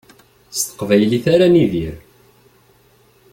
S teqbaylit ara nidir.